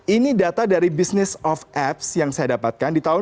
ini data dari business of apps yang saya dapatkan di tahun dua ribu dua puluh